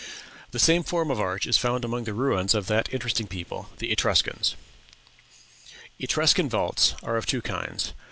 The same form of arch is found among the ruins of that interesting people, the Etruscans. "Etruscan vaults are of two kinds.